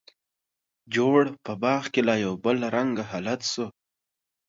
جوړ په باغ کې لا یو بل رنګه حالت شو.